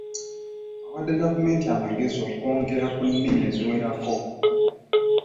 Awadde gavumenti amagezi okwongera ku nnimi eziwerako.